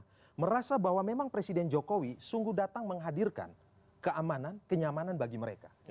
karena merasa bahwa memang presiden jokowi sungguh datang menghadirkan keamanan kenyamanan bagi mereka